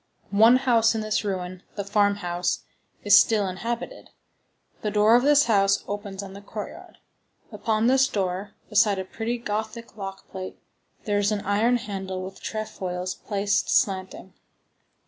One house in this ruin, the farmhouse, is still inhabited. The door of this house opens on the courtyard. Upon this door, beside a pretty Gothic lock plate, there is an iron handle with trefoils placed slanting.